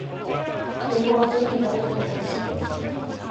りんごは冬に食べると美味しいです